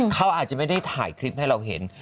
เขาอาจจะไม่ได้ถ่ายคลิปให้เราเห็น